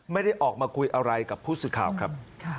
ไม่ได้ออกมาคุยอะไรกับผู้สื่อข่าวครับ